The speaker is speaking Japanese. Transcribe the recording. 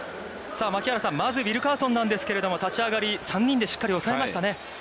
さあ、槙原さん、まず、ウィルカーソンなんですけれども、立ち上がり、３人でしっかり抑えましたね。